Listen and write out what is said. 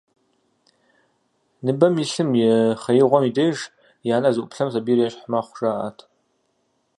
Ныбэм илъым и хъеигъуэм и деж, и анэр зыӀуплъэм сабийр ещхь мэхъу, жаӀэрт.